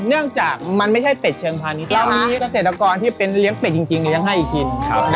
เนื่องจากมันไม่ใช่เป็ดเชิงพันธุ์แล้วมีเศรษฐกรที่เป็นเลี้ยงเป็ดจริงในยังไห้อีกกิน